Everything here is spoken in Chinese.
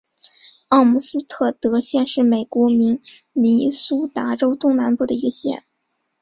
奥姆斯特德县是美国明尼苏达州东南部的一个县。